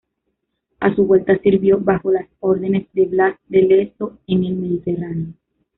A su vuelta, sirvió bajo las órdenes de Blas de Lezo en el Mediterráneo.